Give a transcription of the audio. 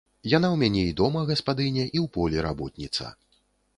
Яна ў мяне і дома гаспадыня і ў полі работніца.